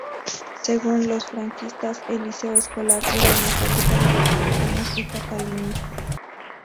Según los franquistas, el Liceo Escolar era una fábrica de republicanos y catalanistas.